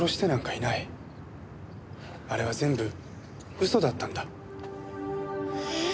あれは全部嘘だったんだ。え？